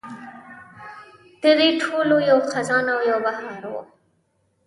د دې ټولو یو خزان او یو بهار و.